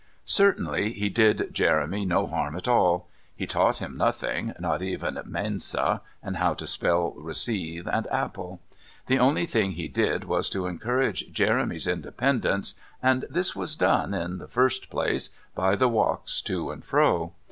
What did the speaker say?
Certainly, he did Jeremy no harm at all; he taught him nothing, not even "mensa," and how to spell "receive" and "apple." The only thing he did was to encourage Jeremy's independence, and this was done, in the first place, by the walks to and fro.